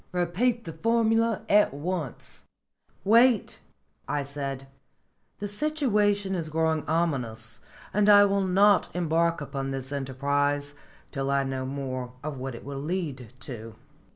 Repeat the formula at once." "Wait," I said. "The situation is growing ominous, and I will not embark upon this enterprise till I know more of what it will lead to."